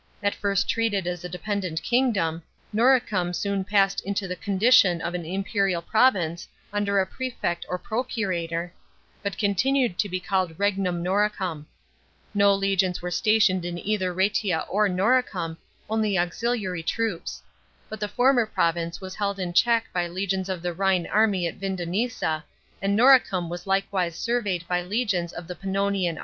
* At first treated as a dependent kingdom, Noricum soon passed into the condition of an imperial province under a pefect or procurator, but continued to be called regnum Noricum. No legions were stationed in either Rsetia or Noricum, ouly auxiliary troops; but the former province was held in check by legions of the Rhine army at Vindonissa,f and Noricum was likewise surveyed by legions of the Pannonian army, stationed at Poetovio, on the Drava (Drave).